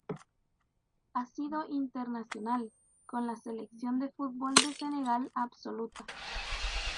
Ha sido internacional con la selección de fútbol de Senegal absoluta.